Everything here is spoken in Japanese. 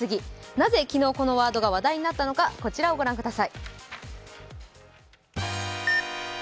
なぜ昨日、このワードが話題になったのか、こちら御覧ください。